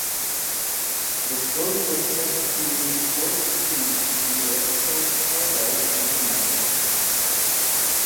The story was set during the fourth series between the episodes "Stardrive" and "Animals".